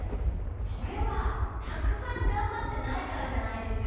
それはたくさんがんばってないからじゃないですか？